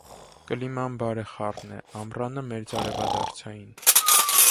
Կլիման բարեխառն է, ամռանը՝ մերձարևադարձային։